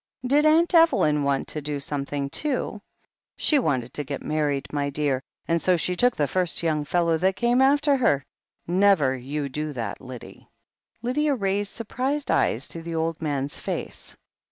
'Did Aunt Evelyn want to do something, too ?" 'She wanted to get married, my dear, and so she took the first young fellow that came after her. Never you do that, Lyddie." Lydia raised surprised eyes to the old man's face.